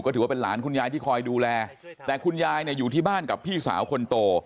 ถือว่าเป็นหลานคุณยายที่คอยดูแลแต่คุณยายเนี่ยอยู่ที่บ้านกับพี่สาวคนโต